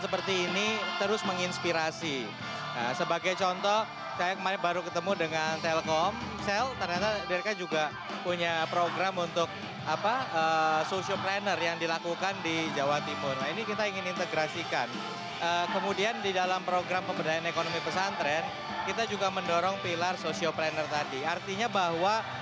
bersumpah mempertahankan setiap jongka tanah